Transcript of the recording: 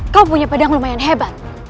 kau punya pedang lumayan hebat